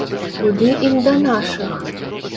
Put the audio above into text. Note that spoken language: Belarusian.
Куды ім да нашых!